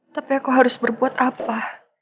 tapi aku harus berbuat apa